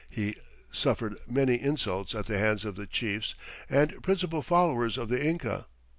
He "suffered many insults at the hands of the chiefs and principal followers of the Inca.